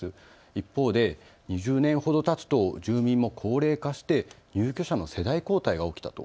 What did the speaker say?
一方で２０年ほどたつと住民も高齢化して入居者の世代交代が起きたと。